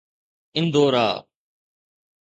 Andaura